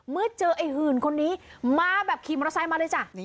เมื่อเจอไอ้หื่นคนนี้มาแบบขี่มอเตอร์ไซค์มาเลยจ้ะ